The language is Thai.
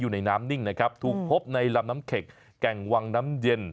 อยู่ในน้ำนิ่งนะครับถูกพบในลำน้ำเข็กแก่งวังน้ำเย็น